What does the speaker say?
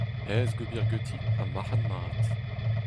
Aes ober ganti ha marc'had-mat.